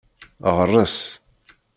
Ɣres.